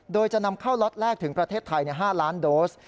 โดยจะนำเข้าล็อตแรกถึงประเทศไทย๕ล้านโดส